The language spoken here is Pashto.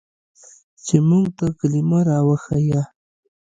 چې موږ ته کلمه راوښييه.